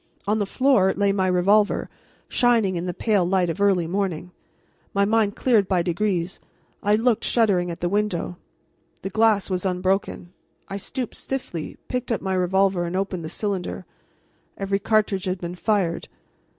On the floor lay my revolver, shining in the pale light of early morning. My mind clearing by degrees, I looked, shuddering, at the window. The glass was unbroken. I stooped stiffly, picked up my revolver and opened the cylinder. Every cartridge had been fired.